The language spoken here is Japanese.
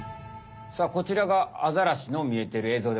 さあこちらがアザラシの見えてるえ